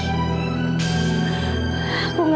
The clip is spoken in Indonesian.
aku gak mau bikin kamu sedih